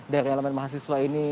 dari elemen mahasiswa ini